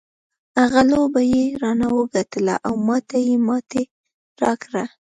هغه لوبه یې رانه وګټله او ما ته یې ماتې راکړه.